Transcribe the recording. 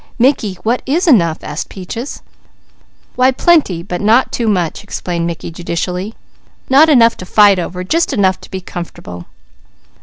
"Mickey, what is 'enough?'" asked Peaches. "Why plenty, but not too much!" explained Mickey judicially. "Not enough to fight over! Just enough to be comfortable."